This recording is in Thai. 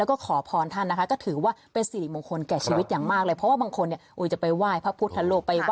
อันนี้ก็สำคัญใช่มั้ยคะ